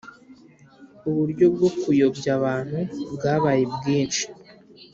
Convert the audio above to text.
uburyo bwo kuyobya abantu bwabaye bwinshi